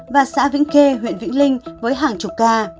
và xã vĩnh khê với hàng chục ca